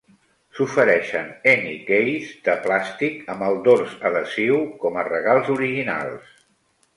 S'ofereixen "Any Keys" de plàstic amb el dors adhesiu com a regals originals.